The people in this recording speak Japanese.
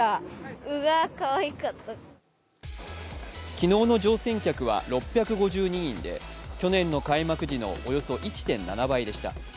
昨日の乗船客は６５２人で去年の開幕時のおよそ１．７倍でした。